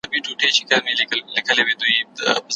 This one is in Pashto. پر هغه وعده ولاړ یم په ازل کي چي مي کړې